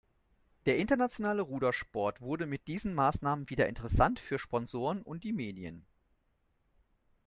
Der internationale Rudersport wurde mit diesen Maßnahmen wieder interessant für Sponsoren und die Medien.